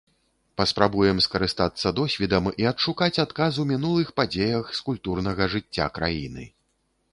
Паспрабуем скарыстацца досведам і адшукаць адказ у мінулых падзеях з культурнага жыцця краіны.